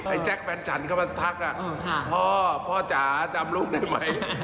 แจ๊คแฟนฉันเข้ามาทักพ่อพ่อจ๋าจำลูกได้ไหม